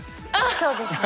そうですね。